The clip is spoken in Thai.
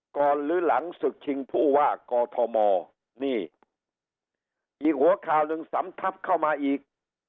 หรือหลังศึกชิงผู้ว่ากอทมนี่อีกหัวข่าวหนึ่งสำทับเข้ามาอีก